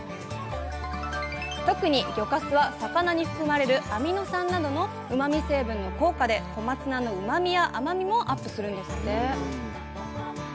特に魚かすは魚に含まれるアミノ酸などのうまみ成分の効果で小松菜のうまみや甘みもアップするんですって！